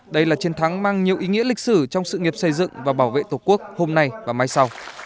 đây là chiến thắng mang nhiều ý nghĩa lịch sử trong sự nghiệp xây dựng và bảo vệ tổ quốc hôm nay và mai sau